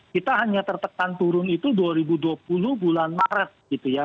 kita hanya tertekan turun itu dua ribu dua puluh bulan maret gitu ya